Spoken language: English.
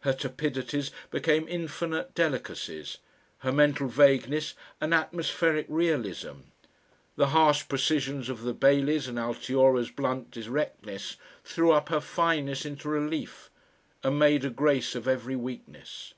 Her tepidities became infinite delicacies, her mental vagueness an atmospheric realism. The harsh precisions of the Baileys and Altiora's blunt directness threw up her fineness into relief and made a grace of every weakness.